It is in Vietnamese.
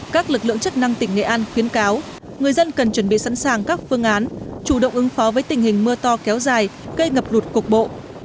các lực lượng chức năng tỉnh nghệ an khuyến cáo người dân cần chuẩn bị sẵn sàng các phương án chủ động ứng phó với tình hình mưa to kéo dài gây ngập lụt cục bộ